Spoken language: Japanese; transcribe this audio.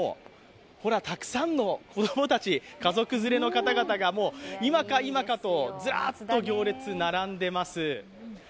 ほら、たくさんの子供たち、家族連れの方々が今か今かと、ずらっと行列並んでいます。